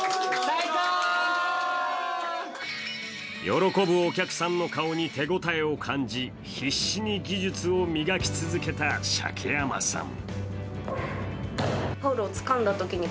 喜ぶお客さんの顔に手応えを感じ、必死に技術を磨き続けた鮭山さん。